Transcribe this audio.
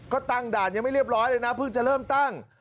ก็ตั้งด่านยังไม่เรียบร้อยเลยนะเพิ่งจะเริ่มตั้ง